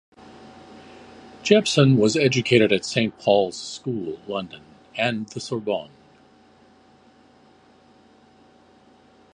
Jepson was educated at Saint Paul's School, London and the Sorbonne.